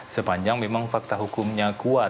sepanjang memang fakta hukumnya